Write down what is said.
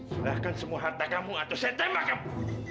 silahkan semua harta kamu atau saya tembak kamu